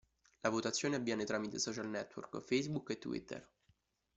La votazione avviene tramite i social network Facebook e Twitter.